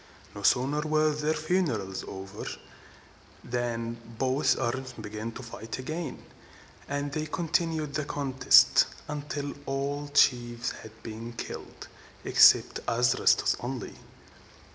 No sooner were their funerals over, than both armies began to fight again; and they continued the contest until all the chiefs had been killed except Adrastus only.